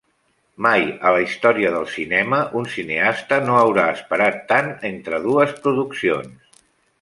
Mai a la història del cinema, un cineasta no haurà esperat tant entre dues produccions.